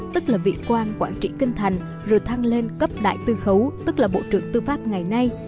tức là vị quan quản trị kinh thành rồi thăng lên cấp đại tư khấu tức là bộ trưởng tư pháp ngày nay